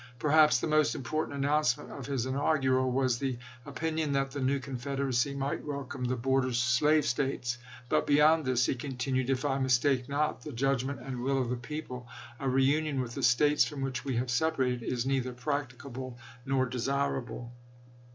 Per haps the most important announcement of his in augural was the opinion that the new Confederacy might welcome the border slave States ;" but be yond this," he continued, "if I mistake not the judgment and will of the people, a reunion with the States from which we have separated is neither practicable nor desirable."